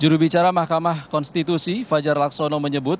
jurubicara mahkamah konstitusi fajar laksono menyebut